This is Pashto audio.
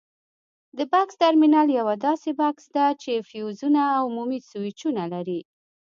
د بکس ترمینل یوه داسې بکس ده چې فیوزونه او عمومي سویچونه لري.